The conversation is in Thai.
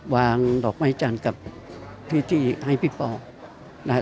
วางหลอกไม้จันทร์กับพิธีให้พี่เป๋า